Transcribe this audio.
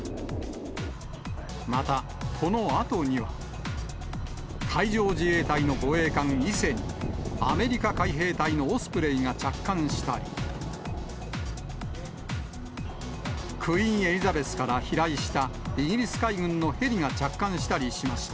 また、このあとには、海上自衛隊の護衛艦いせに、アメリカ海兵隊のオスプレイが着艦したり、クイーン・エリザベスから飛来したイギリス海軍のヘリが着艦したりしました。